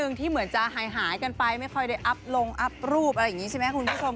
งอนจริงจริง